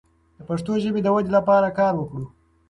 د پښتو ژبې د ودې لپاره کار وکړو.